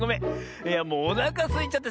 いやもうおなかすいちゃってさ。